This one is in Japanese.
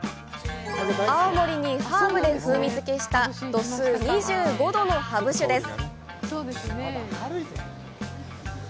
泡盛にハーブで風味づけした度数２５度のハブ酒です。